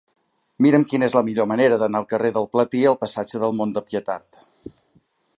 Mira'm quina és la millor manera d'anar del carrer del Platí al passatge del Mont de Pietat.